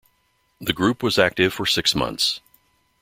The group was active for six months.